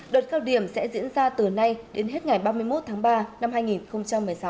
đợt cao điểm sẽ diễn ra từ nay đến hết ngày ba mươi một tháng ba năm hai nghìn một mươi sáu